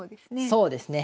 そうですね。